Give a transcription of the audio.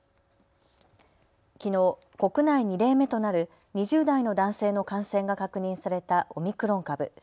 きのう国内２例目となる２０代の男性の感染が確認されたオミクロン株。